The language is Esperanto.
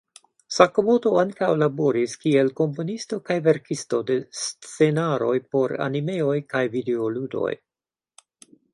Sakamoto ankaŭ laboris kiel komponisto kaj verkisto de scenaroj por animeoj kaj videoludoj.